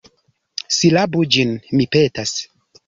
Silabu ĝin, mi petas.